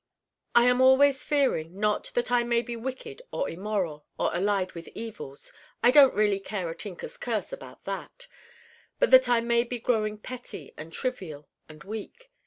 I am always fearing not that I may be wicked or immoral or allied with evils I don't really care a tinker's curse about that but that I may be growing petty and trivial and weak.